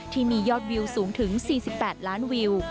ที่มียอดวิวสูงถึง๔๘ล้านวิว